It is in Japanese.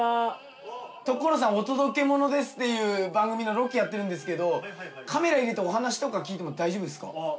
『所さんお届けモノです！』という番組のロケやってるんですけどカメラ入れてお話とか聞いても大丈夫ですか？